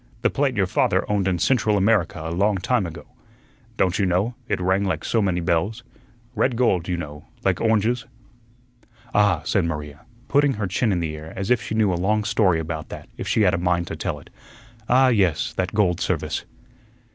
"The plate your father owned in Central America a long time ago. Don't you know, it rang like so many bells? Red gold, you know, like oranges?" "Ah," said Maria, putting her chin in the air as if she knew a long story about that if she had a mind to tell it. "Ah, yes, that gold service."